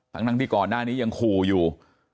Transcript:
ทั้งที่ก่อนหน้านี้ยังขู่อยู่